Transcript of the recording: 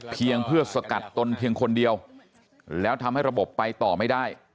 เพียงเพื่อสกัดตนเพียงคนเดียวแล้วทำให้ระบบไปต่อไม่ได้